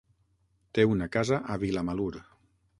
Té una casa a Vilamalur.